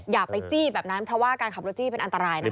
อย่าไปจี้แบบนั้นเพราะว่าการขับรถจี้เป็นอันตรายนะคะ